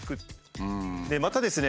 またですね